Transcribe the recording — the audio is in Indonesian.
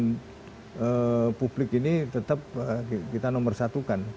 dan publik ini tetap kita nomor satukan